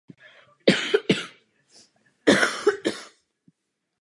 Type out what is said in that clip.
V pravé bočnici jsou umístěny dvoje výklopné dveře.